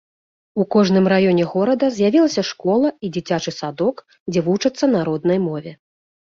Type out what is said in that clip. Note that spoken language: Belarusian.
У кожным раёне горада з'явілася школа і дзіцячы садок, дзе вучацца на роднай мове.